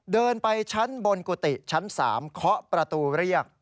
เดินไปชั้นบนกุฏิชั้น๓เคาะประตูเรียก